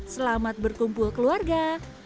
selamat berkumpul keluarga